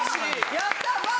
やったー！